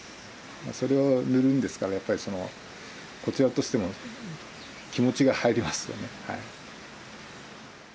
それを塗るんですからやっぱりそのこちらとしても気持ちが入りますよね。